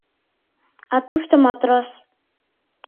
А тушто матрос...